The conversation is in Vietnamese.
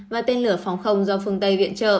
và tên lửa phòng không do phương tây